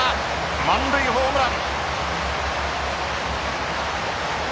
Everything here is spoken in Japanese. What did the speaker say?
満塁ホームラン。